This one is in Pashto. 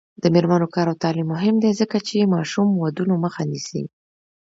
د میرمنو کار او تعلیم مهم دی ځکه چې ماشوم ودونو مخه نیسي.